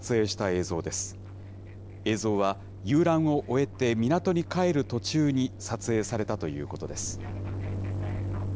映像は、遊覧を終えて、港に帰る途中に撮影されたということです。